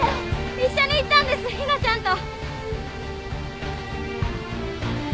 一緒に行ったんですひなちゃんと。